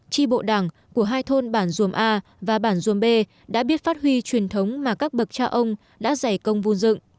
tri bộ đảng của hai thôn bản duồm a và bản dum b đã biết phát huy truyền thống mà các bậc cha ông đã giải công vun dựng